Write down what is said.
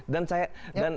dan saya dan